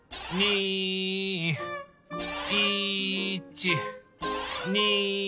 １２１２。